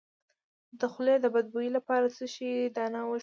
د خولې د بد بوی لپاره د څه شي دانه وژويئ؟